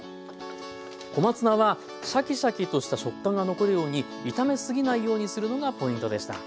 小松菜はシャキシャキとした食感が残るように炒めすぎないようにするのがポイントでした。